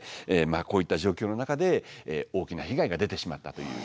まあこういった状況の中で大きな被害が出てしまったという。